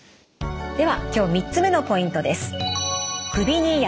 では今日３つ目のポイントです。